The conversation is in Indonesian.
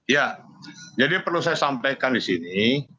ya jadi perlu saya sampaikan di sini